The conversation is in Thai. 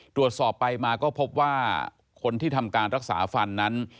ตรวจสอบไปมาก็พบว่าคนที่ทำการรักษาฟันนั้น